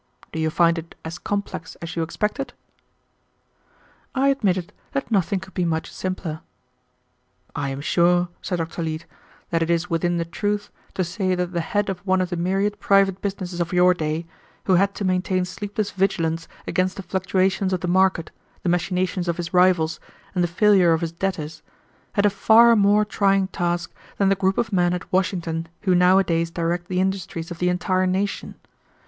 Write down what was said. Do you find it as complex as you expected?" I admitted that nothing could be much simpler. "I am sure," said Dr. Leete, "that it is within the truth to say that the head of one of the myriad private businesses of your day, who had to maintain sleepless vigilance against the fluctuations of the market, the machinations of his rivals, and the failure of his debtors, had a far more trying task than the group of men at Washington who nowadays direct the industries of the entire nation.